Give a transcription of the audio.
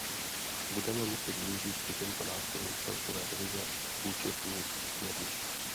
Budeme moci využít i tento nástroj celkové revize účetních směrnic.